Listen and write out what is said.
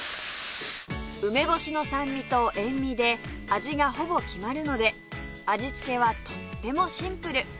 梅干しの酸味と塩味で味がほぼ決まるので味付けはとってもシンプル